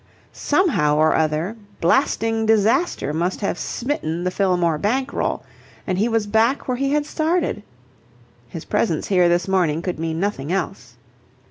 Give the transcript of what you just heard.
Somehow or other, blasting disaster must have smitten the Fillmore bank roll, and he was back where he had started. His presence here this morning could mean nothing else.